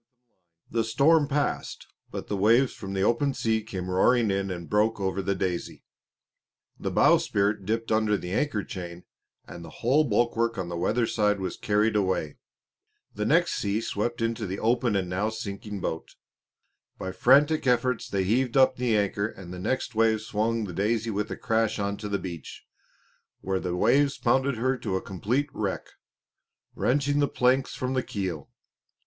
The storm passed; but the waves from the open sea came roaring in and broke over the Daisy. The bowsprit dipped under the anchor chain, and the whole bulwark on the weatherside was carried away. The next sea swept into the open and now sinking boat. By frantic efforts they heaved up the anchor and the next wave swung the Daisy with a crash onto the beach, where the waves pounded her to a complete wreck, wrenching the planks from the keel.